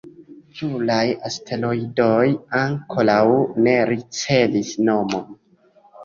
Pluraj asteroidoj ankoraŭ ne ricevis nomon.